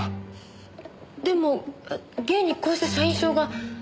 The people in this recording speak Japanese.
でも現にこうして社員証が。